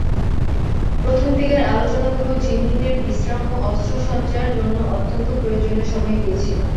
প্রথম দিকের আলোচনাগুলো জিম্মিদের বিশ্রাম ও অস্ত্রসজ্জার জন্য অত্যন্ত প্রয়োজনীয় সময় দিয়েছিল।